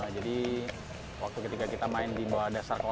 jadi waktu ketika kita main di bawah dasar kita pakai glove